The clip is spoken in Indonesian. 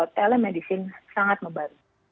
telemedicine sangat memerlukan